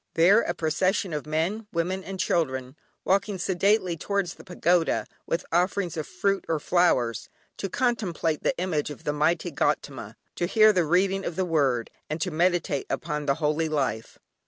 There a procession of men, women, and children walking sedately towards a pagoda, with offerings of fruit or flowers; to contemplate the image of the mighty Gaudama, to hear the reading of the Word, and to meditate upon the Holy Life.